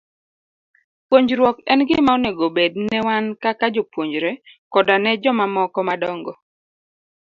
Puonjruok en gima onego obed ne wan kaka jopuonjre, koda ne jomamoko madongo.